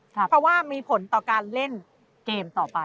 เพราะว่ามีผลต่อการเล่นเกมต่อไป